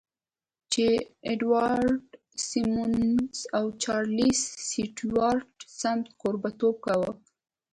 جې اډوارډ سیمونز او چارلیس سټیوارټ سمیت کوربهتوب کاوه